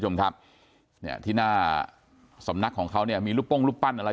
ชมครับเนี่ยที่หน้าสำนักของเขาเนี่ยมีลูกปงลูกปั้นอะไร